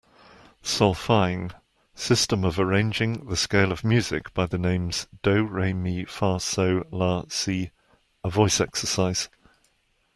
Solfaing system of arranging the scale of music by the names do, re, mi, fa, sol, la, si a voice exercise.